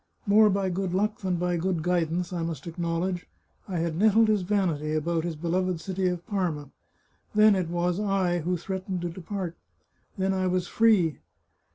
More by good luck than by good guidance, I must acknowledge, I had nettled his vanity about his beloved city of Parma. Then it was I who threatened to depart. Then I was free.